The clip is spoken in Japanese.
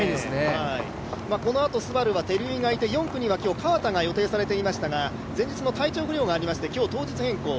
このあとＳＵＢＡＲＵは照井がいて、川田が予定されていましたが、前日の体調不良がありまして今日、当日変更。